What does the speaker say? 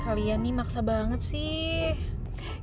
kalian nih maksa banget sih